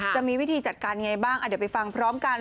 จะมีวิธีจัดการยังไงบ้างเดี๋ยวไปฟังพร้อมกัน